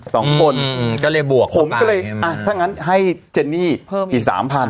ผมก็เลยทั้งนั้นให้เจนนี่อีก๓๐๐๐